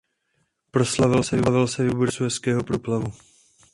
Proslavil se vybudováním suezského průplavu.